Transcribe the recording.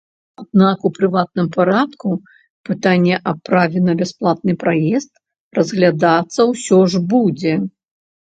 Аднак у прыватным парадку пытанне аб праве на бясплатны праезд разглядацца ўсё ж будзе.